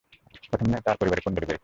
প্রথমে তার পরিবারের কুন্ডলী বের করি।